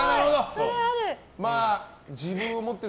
それある！